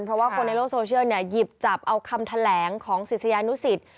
เพราะว่าคนในโลกโซเชียลเนี่ยหยิบจับเอาคำแถลงของศิษยานุสิต